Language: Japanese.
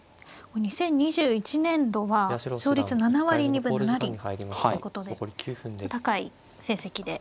２０２１年度は勝率７割２分７厘ということで高い成績で。